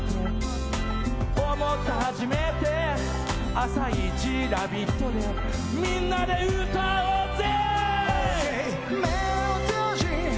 朝一「ラヴィット！」でみんなで歌おうぜ！